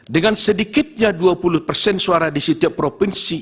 dengan sedikitnya dua puluh persen suara di setiap provinsi